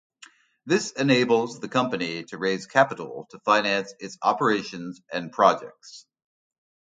This enables the company to raise capital to finance its operations and projects.